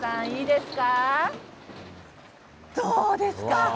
どうですか。